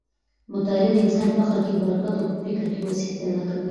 مطالعه د انسان په عقل کې برکت او په فکر کې وسعت پیدا کوي.